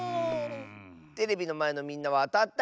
テレビのまえのみんなはあたったかな？